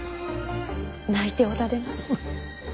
泣いておられます。